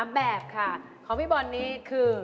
แบบค่ะของพี่บอลนี่คือ